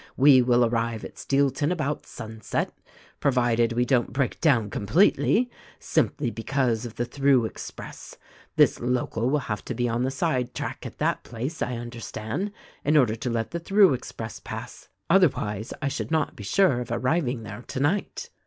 We will arrive at Steelton about sunset — provided we don't break down completely — simply because of the through express : this local will have to be on the side track at that place, I understand, in order to let the through express pass. Other wise, I should not be sure of arriving there tonight."